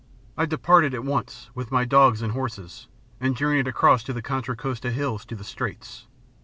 I departed at once, with my dogs and horses, and journeyed across the Contra Costa Hills to the Straits.